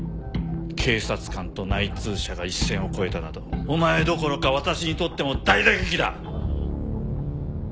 警察官と内通者が一線を越えたなどお前どころか私にとっても大打撃だ！